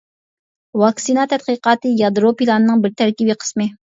ۋاكسىنا تەتقىقاتى يادرو پىلانىنىڭ بىر تەركىبى قىسمى.